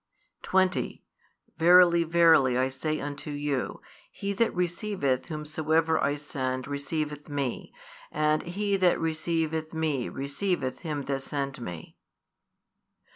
20 Verily, verily, I say unto you, He that receiveth whomsoever I send receiveth Me; and he that receiveth Me receiveth Him that sent Me.